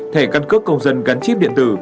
thể căn cước công dân gắn chip điện tử